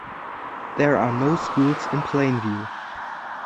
There are no schools in Plainview.